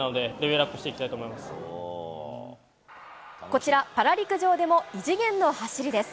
こちらパラ陸上でも異次元の走りです。